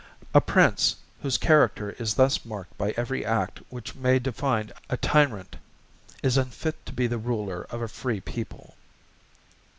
A Prince, whose character is thus marked by every act which may define a Tyrant, is unfit to be the ruler of a free People.